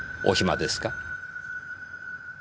お暇ですか？